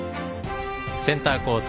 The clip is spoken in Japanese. センターコート